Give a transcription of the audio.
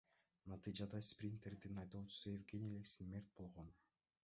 Натыйжада Спринтердин айдоочусу Евгений Лексин мерт болгон.